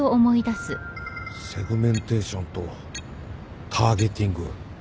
セグメンテーションとターゲティング。